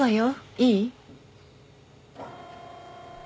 いい？